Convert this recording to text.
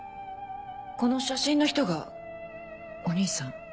この写真の人がお兄さん？